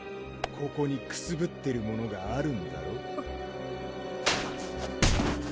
ここにくすぶってるものがあるんだろう？